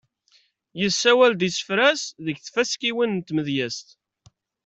Yessawal-d isefra-s deg tfaskiwin n tmedyezt.